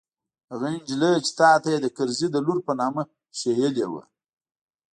هغه نجلۍ چې تا ته يې د کرزي د لور په نامه ښييلې وه.